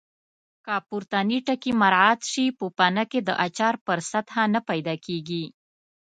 که پورتني ټکي مراعات شي پوپنکې د اچار پر سطحه نه پیدا کېږي.